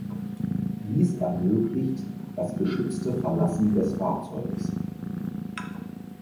Dies ermöglicht das geschützte Verlassen des Fahrzeuges.